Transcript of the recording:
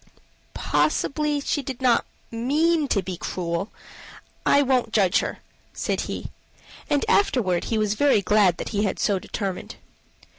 "Possibly she did not mean to be cruel. I won't judge her," said he. And afterward he was very glad that he had so determined.